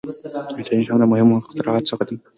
• انټرنېټ هم د مهمو اختراعاتو څخه دی.